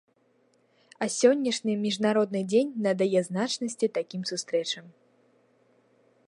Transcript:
А сённяшні, міжнародны дзень надае значнасці такім сустрэчам.